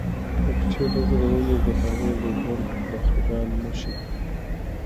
د کوڅې لغړې ونې د هغې د ژوند د خزان نښې وې.